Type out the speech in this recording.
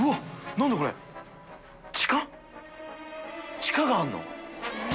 地下があるの？